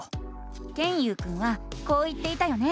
ケンユウくんはこう言っていたよね。